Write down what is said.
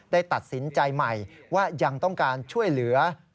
ได้ตัดสินใจใหม่ว่ายังต้องการช่วยเหลือ